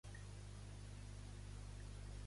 La meva tutora sempre em diu que pensar fa burro.